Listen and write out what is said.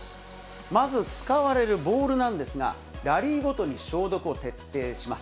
まず使われるボールなんですが、ラリーごとに消毒を徹底します。